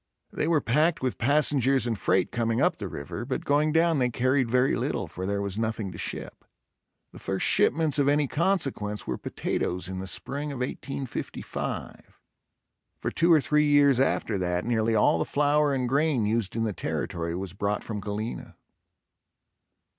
They were packed with passengers and freight coming up the river, but going down they carried very little, for there was nothing to ship. The first shipments of any consequence were potatoes in the spring of 1855. For two or three years after that nearly all the flour and grain used in the territory was brought from Galena.